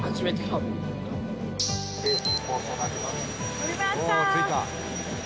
下りました。